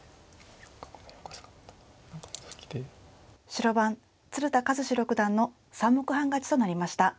白番鶴田和志六段の３目半勝ちとなりました。